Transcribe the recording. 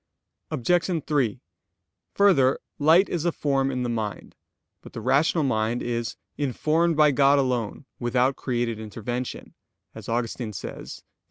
Obj. 3: Further, light is a form in the mind. But the rational mind is "informed by God alone, without created intervention," as Augustine says (QQ.